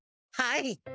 はい！